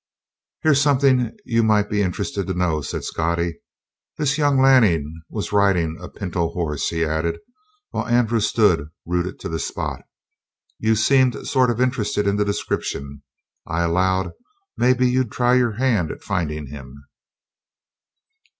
"Here's something you might be interested to know," said Scottie. "This young Lanning was riding a pinto hoss." He added, while Andrew stood rooted to the spot: "You seemed sort of interested in the description. I allowed maybe you'd try your hand at findin' him."